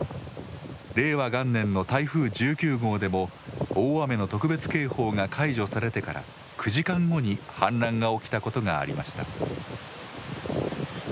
令和元年の台風１９号でも大雨の特別警報が解除されてから９時間後に氾濫が起きたことがありました。